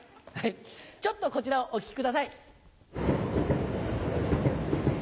ちょっとこちらをお聞きください。